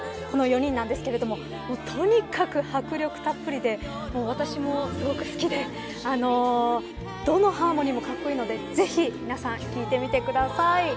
この４人ですがとにかく迫力たっぷりで私もすごく好きでどのハーモニーもかっこいいのでぜひ皆さん聞いてみてください。